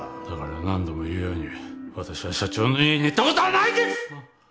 何度も言うように私は社長の家に行ったことはないんです！